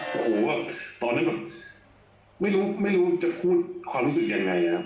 โฮวว่ะตอนนั้นแบบไม่รู้ไม่รู้จะคุ้นความรู้สึกอย่างไงอะ